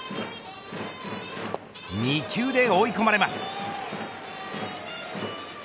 ２球で追い込まれます。